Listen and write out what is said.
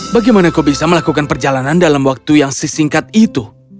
bagaimana kau bisa melakukan perjalanan dalam waktu yang sesingkat itu